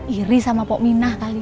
iris sama pominah kali